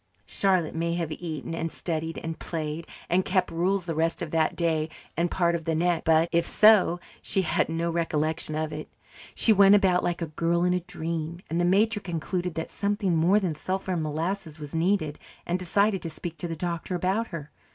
Charlotte may have eaten and studied and played and kept rules the rest of that day and part of the next, but, if so, she has no recollection of it. She went about like a girl in a dream, and the matron concluded that something more than sulphur and molasses was needed and decided to speak to the doctor about her.